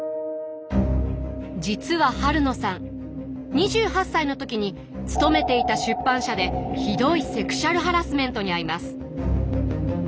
実は晴野さん２８歳の時に勤めていた出版社でひどいセクシュアルハラスメントに遭います。